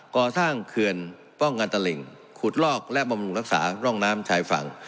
ก่อสร้างเขื่อนป้องกันตะหลิ่งขุดลอกและบำรุงรักษาร่องน้ำชายฝั่ง